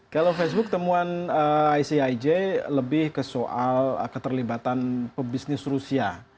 kalau facebook temuan icij lebih ke soal keterlibatan pebisnis rusia